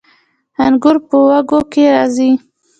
انګور په وږو کې راځي